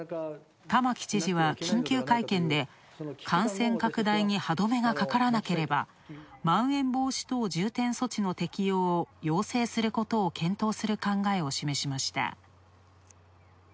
玉城知事は緊急会見で感染拡大に歯止めがかからなければ、まん延防止等重点措置の適用を要請することを検討する考えを示しました。